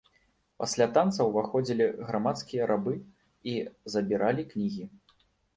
Пасля танца ўваходзілі грамадскія рабы і забіралі кнігі.